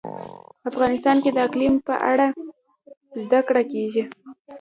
افغانستان کې د اقلیم په اړه زده کړه کېږي.